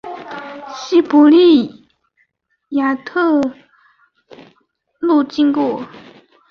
西伯利亚铁路经过。